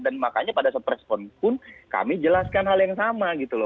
dan makanya pada saat respon pun kami jelaskan hal yang sama gitu loh